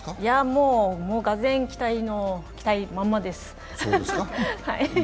もうがぜん期待のまんまです。